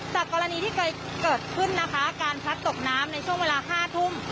จากกรณีที่เคยเกิดขึ้นนะคะการพลัดตกน้ำในช่วงเวลา๕ทุ่ม